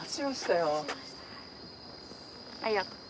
ありがとう。